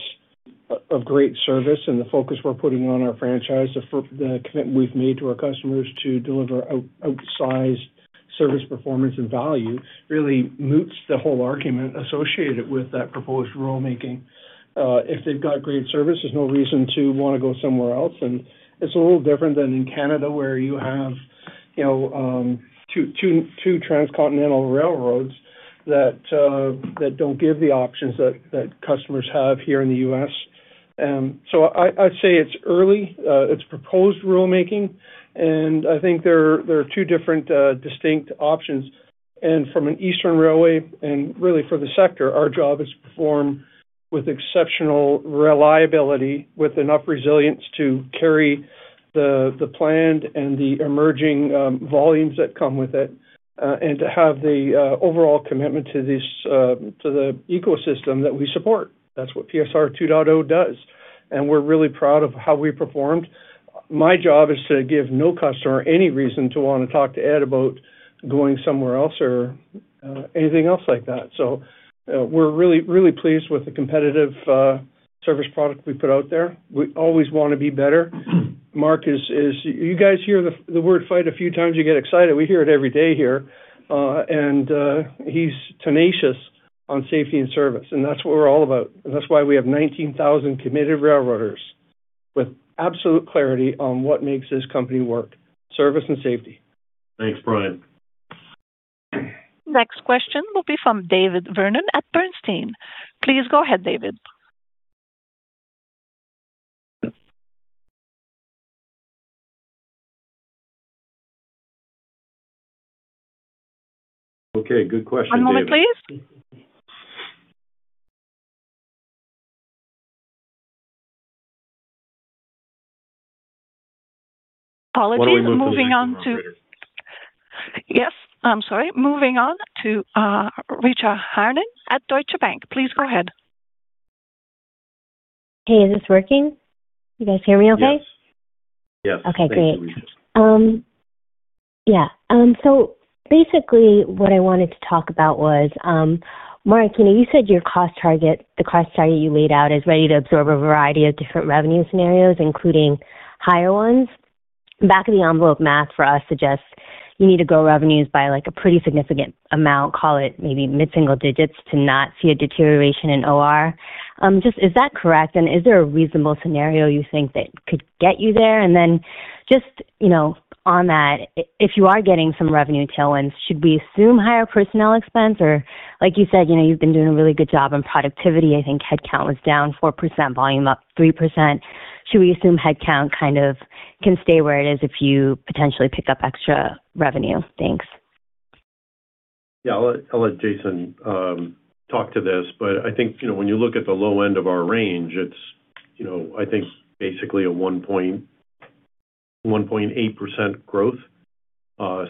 for great service, and the focus we're putting on our franchise, the commitment we've made to our customers to deliver outsized service performance and value really moots the whole argument associated with that proposed rulemaking. If they've got great service, there's no reason to want to go somewhere else. It's a little different than in Canada where you have two transcontinental railroads that don't give the options that customers have here in the U.S. I'd say it's early. It's proposed rulemaking, and I think there are two different distinct options. From an Eastern railway, and really for the sector, our job is to perform with exceptional reliability, with enough resilience to carry the planned and the emerging volumes that come with it, and to have the overall commitment to the ecosystem that we support. That's what PSR 2.0 does. And we're really proud of how we performed. My job is to give no customer any reason to want to talk to Ed about going somewhere else or anything else like that. So we're really, really pleased with the competitive service product we put out there. We always want to be better. Mark is, you guys hear the word fight a few times. You get excited. We hear it every day here. And he's tenacious on safety and service. And that's what we're all about. That's why we have 19,000 committed railroaders with absolute clarity on what makes this company work: service and safety. Thanks, Brian. Next question will be from David Vernon at Bernstein. Please go ahead, David. Okay. Good question. One moment, please. Apologies. What was that? Moving on to, yes. I'm sorry. Moving on to Richard Harnan at Deutsche Bank. Please go ahead. Hey, is this working? You guys hear me okay? Yes. Okay. Great. Yeah. So basically, what I wanted to talk about was, Mark, you said your cost target, the cost target you laid out, is ready to absorb a variety of different revenue scenarios, including higher ones. Back-of-the-envelope math for us suggests you need to grow revenues by a pretty significant amount, call it maybe mid-single digits, to not see a deterioration in OR. Just, is that correct? And is there a reasonable scenario you think that could get you there? And then just on that, if you are getting some revenue tailwinds, should we assume higher personnel expense? Or like you said, you've been doing a really good job on productivity. I think headcount was down 4%, volume up 3%. Should we assume headcount kind of can stay where it is if you potentially pick up extra revenue? Thanks. Yeah. I'll let Jason talk to this. But I think when you look at the low end of our range, it's, I think, basically a 1.8% growth.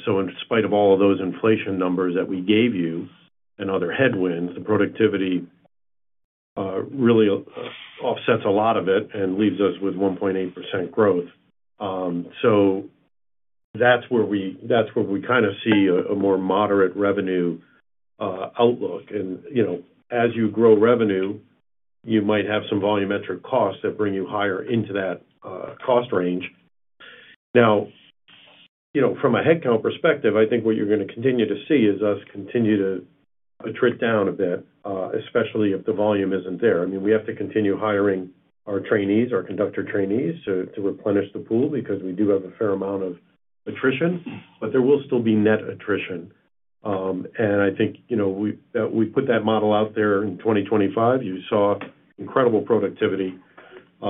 So in spite of all of those inflation numbers that we gave you and other headwinds, the productivity really offsets a lot of it and leaves us with 1.8% growth. So that's where we kind of see a more moderate revenue outlook. And as you grow revenue, you might have some volumetric costs that bring you higher into that cost range. Now, from a headcount perspective, I think what you're going to continue to see is us continue to trade down a bit, especially if the volume isn't there. I mean, we have to continue hiring our trainees, our conductor trainees, to replenish the pool because we do have a fair amount of attrition, but there will still be net attrition. I think that we put that model out there in 2025. You saw incredible productivity. I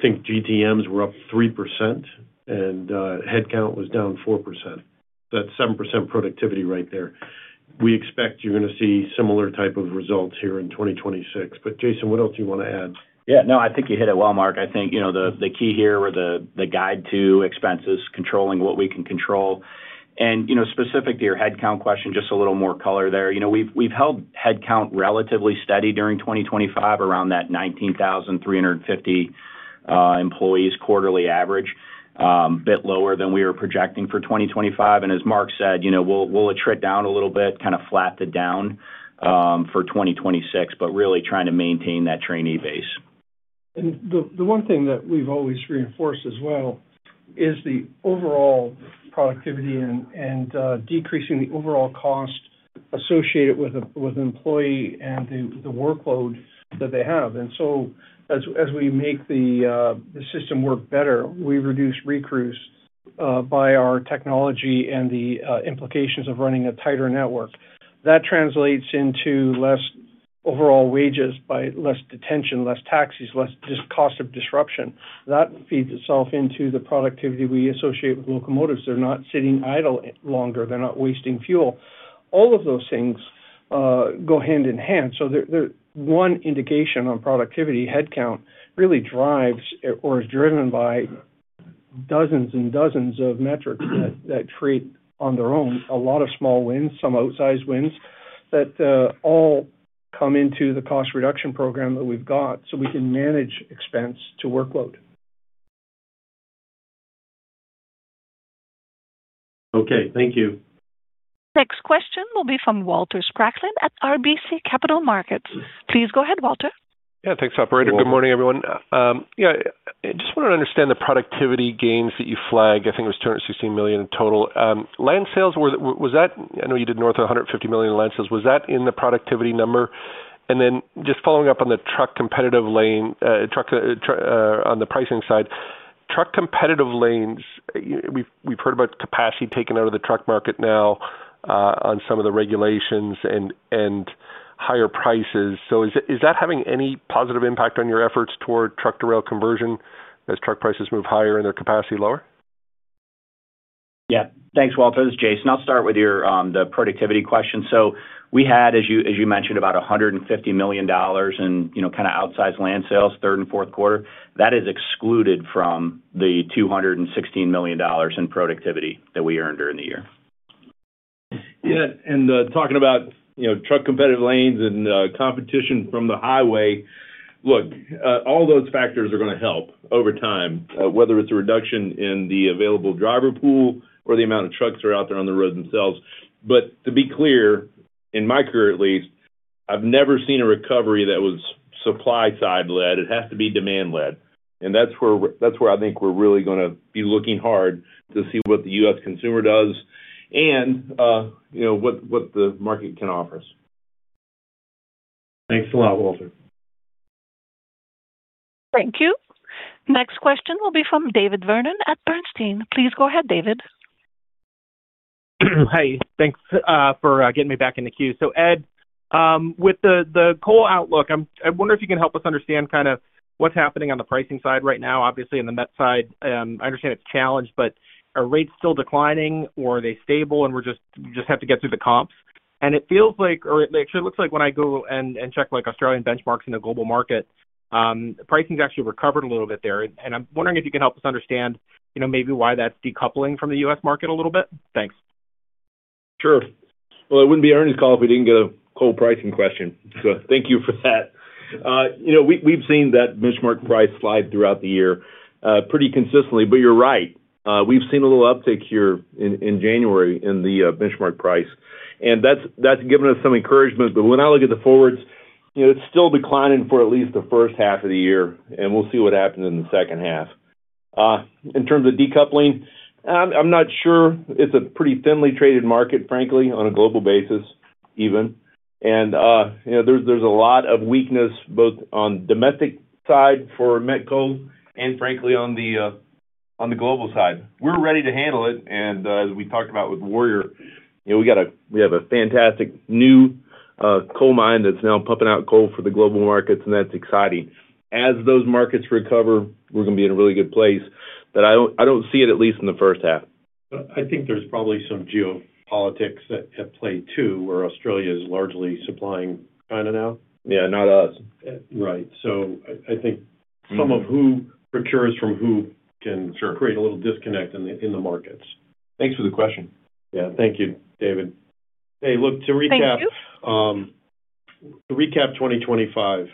think GTMs were up 3%, and headcount was down 4%. That's 7% productivity right there. We expect you're going to see similar type of results here in 2026. But Jason, what else do you want to add? Yeah. No, I think you hit it well, Mark. I think the key here with the guide to expenses, controlling what we can control. And specific to your headcount question, just a little more color there. We've held headcount relatively steady during 2025, around that 19,350 employees quarterly average, a bit lower than we were projecting for 2025. And as Mark said, we'll trade down a little bit, kind of flatten it down for 2026, but really trying to maintain that trainee base. The one thing that we've always reinforced as well is the overall productivity and decreasing the overall cost associated with an employee and the workload that they have. So as we make the system work better, we reduce recruits by our technology and the implications of running a tighter network. That translates into less overall wages by less detention, less taxes, less cost of disruption. That feeds itself into the productivity we associate with locomotives. They're not sitting idle longer. They're not wasting fuel. All of those things go hand in hand. So one indication on productivity, headcount really drives or is driven by dozens and dozens of metrics that create on their own a lot of small wins, some outsized wins that all come into the cost reduction program that we've got so we can manage expense to workload. Okay. Thank you. Next question will be from Walter Spracklin at RBC Capital Markets. Please go ahead, Walter. Yeah. Thanks, operator. Good morning, everyone. Yeah. I just want to understand the productivity gains that you flagged. I think it was $216 million in total. Land sales, was that, I know you did north of $150 million in land sales. Was that in the productivity number? And then just following up on the truck competitive lane, on the pricing side, truck competitive lanes, we've heard about capacity taken out of the truck market now on some of the regulations and higher prices. So is that having any positive impact on your efforts toward truck-to-rail conversion as truck prices move higher and their capacity lower? Yeah. Thanks, Walter. This is Jason. I'll start with the productivity question. So we had, as you mentioned, about $150 million in kind of outsized land sales third and fourth quarter. That is excluded from the $216 million in productivity that we earned during the year. Yeah. Talking about truck competitive lanes and competition from the highway, look, all those factors are going to help over time, whether it's a reduction in the available driver pool or the amount of trucks that are out there on the road themselves. But to be clear, in my career at least, I've never seen a recovery that was supply-side led. It has to be demand led. And that's where I think we're really going to be looking hard to see what the U.S. consumer does and what the market can offer us. Thanks a lot, Walter. Thank you. Next question will be from David Vernon at Bernstein. Please go ahead, David. Hi. Thanks for getting me back in the queue. So Ed, with the coal outlook, I wonder if you can help us understand kind of what's happening on the pricing side right now. Obviously, on the net side, I understand it's challenged, but are rates still declining, or are they stable, and we just have to get through the comps? And it feels like, or it actually looks like when I go and check Australian benchmarks in the global market, pricing's actually recovered a little bit there. And I'm wondering if you can help us understand maybe why that's decoupling from the U.S. market a little bit. Thanks. Sure. Well, it wouldn't be Bernstein's call if we didn't get a coal pricing question. So thank you for that. We've seen that benchmark price slide throughout the year pretty consistently. But you're right. We've seen a little uptick here in January in the benchmark price. And that's given us some encouragement. But when I look at the forwards, it's still declining for at least the first half of the year. And we'll see what happens in the second half. In terms of decoupling, I'm not sure. It's a pretty thinly traded market, frankly, on a global basis even. And there's a lot of weakness both on the domestic side for met coal and, frankly, on the global side. We're ready to handle it. And as we talked about with Warrior, we have a fantastic new coal mine that's now pumping out coal for the global markets, and that's exciting. As those markets recover, we're going to be in a really good place. But I don't see it, at least in the first half. I think there's probably some geopolitics at play too, where Australia is largely supplying China now. Yeah. Not us. Right. So I think some of who procures from who can create a little disconnect in the markets. Thanks for the question. Yeah. Thank you, David. Hey, look, to recap. Thank you. To recap 2025,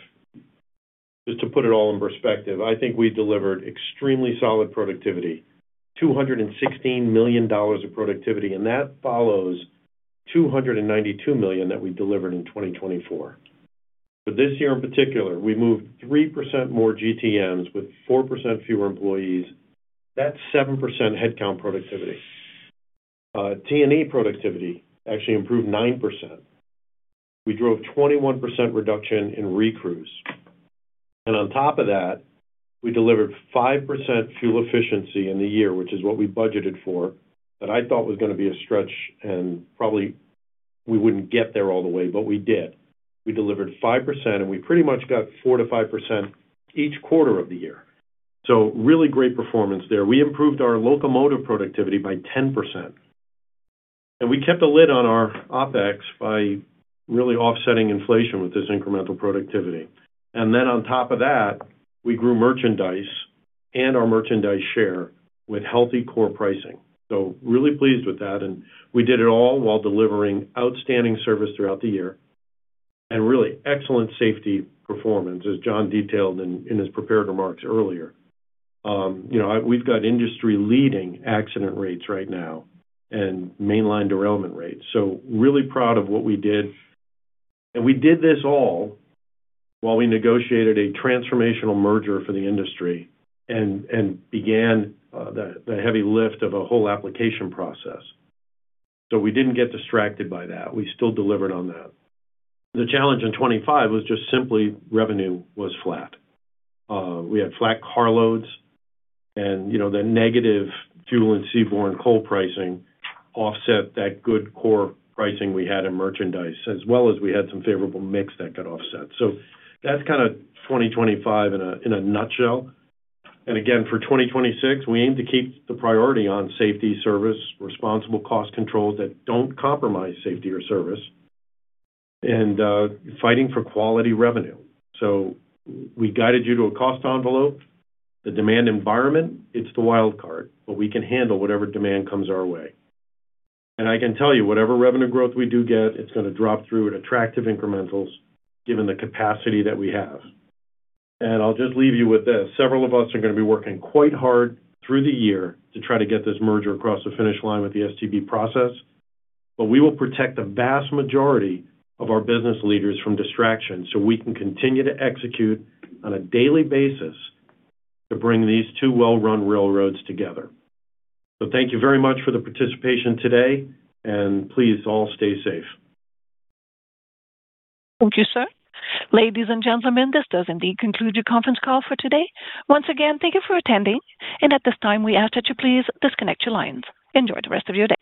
just to put it all in perspective, I think we delivered extremely solid productivity, $216 million of productivity. And that follows $292 million that we delivered in 2024. But this year, in particular, we moved 3% more GTMs with 4% fewer employees. That's 7% headcount productivity. T&E productivity actually improved 9%. We drove a 21% reduction in recruits. And on top of that, we delivered 5% fuel efficiency in the year, which is what we budgeted for, that I thought was going to be a stretch, and probably we wouldn't get there all the way, but we did. We delivered 5%, and we pretty much got 4%-5% each quarter of the year. So really great performance there. We improved our locomotive productivity by 10%. And we kept a lid on our OPEX by really offsetting inflation with this incremental productivity. And then on top of that, we grew merchandise and our merchandise share with healthy core pricing. So really pleased with that. And we did it all while delivering outstanding service throughout the year and really excellent safety performance, as John detailed in his prepared remarks earlier. We've got industry-leading accident rates right now and mainline derailment rates. So really proud of what we did. And we did this all while we negotiated a transformational merger for the industry and began the heavy lift of a whole application process. So we didn't get distracted by that. We still delivered on that. The challenge in 2025 was just simply revenue was flat. We had flat carloads, and the negative fuel and Seaborne coal pricing offset that good core pricing we had in merchandise, as well as we had some favorable mix that got offset. That's kind of 2025 in a nutshell. Again, for 2026, we aim to keep the priority on safety service, responsible cost controls that don't compromise safety or service, and fighting for quality revenue. We guided you to a cost envelope. The demand environment, it's the wild card, but we can handle whatever demand comes our way. I can tell you, whatever revenue growth we do get, it's going to drop through at attractive incrementals given the capacity that we have. I'll just leave you with this. Several of us are going to be working quite hard through the year to try to get this merger across the finish line with the STB process. We will protect the vast majority of our business leaders from distraction so we can continue to execute on a daily basis to bring these two well-run railroads together. Thank you very much for the participation today. Please all stay safe. Thank you, sir. Ladies and gentlemen, this does indeed conclude your conference call for today. Once again, thank you for attending. At this time, we ask that you please disconnect your lines. Enjoy the rest of your day.